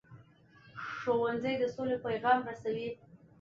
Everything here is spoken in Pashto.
ښوونځی د سولې پیغام رسوي